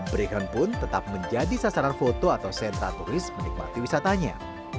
brecon pun tetap menjadi sasaran foto atau sentra turis menikmati wisatanya